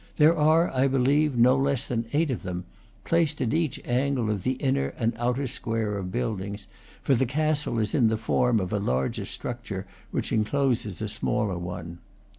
There are, I believe, no less than eight of them, placed at each angle of the inner and outer square of buildings; for the castle is in the form of a larger structure which encloses a smaller one.